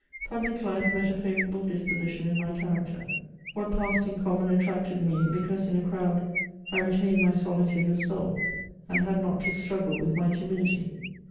Public life met a favourable disposition in my character ; what passed in common attracted me, because in a crowd I retained my solitude of soul, and had not to struggle with my timidity.